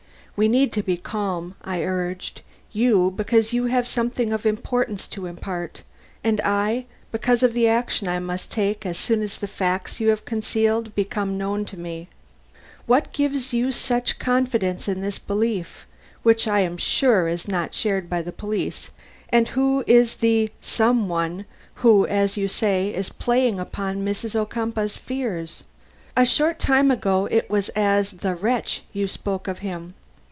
"We need to be calm," I urged. "You, because you have something of importance to impart, and I, because of the action I must take as soon as the facts you have concealed become known to me. What gives you such confidence in this belief, which I am sure is not shared by the police, and who is the some one who, as you say, is playing upon Mrs. Ocumpaugh's fears? A short time ago it was as the wretch you spoke of him.